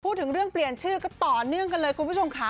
พูดถึงเรื่องเปลี่ยนชื่อก็ต่อเนื่องกันเลยคุณผู้ชมค่ะ